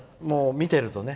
見てるとね。